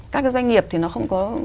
các cái doanh nghiệp thì nó không có